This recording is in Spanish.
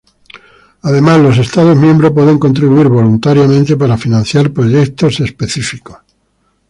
Además los estados miembros pueden contribuir voluntariamente para financiar proyectos específicos.